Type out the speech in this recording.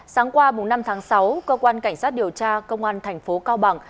sáng qua năm tháng sáu cơ quan cảnh sát điều tra công an tp cao bằng